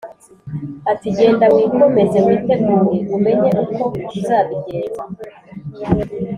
ati “Genda wikomeze, witegure umenye uko uzabigenza